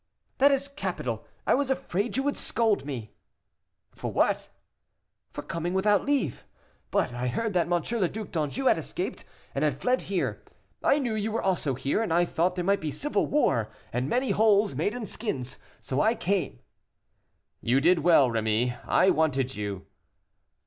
"That is capital; I was afraid you would scold me." "For what?" "For coming without leave. But I heard that Monsieur le Duc d'Anjou had escaped, and had fled here. I knew you were here also, and I thought there might be civil war, and many holes made in skins, so I came." "You did well, Rémy; I wanted you."